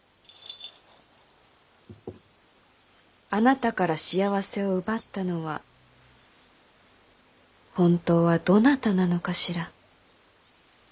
あなたから幸せを奪ったのは本当はどなたなのかしら。